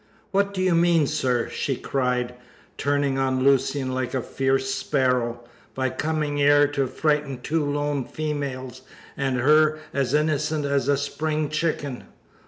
What do you mean, sir," she cried, turning on Lucian like a fierce sparrow, "by coming 'ere to frighten two lone females, and her as innocent as a spring chicken?"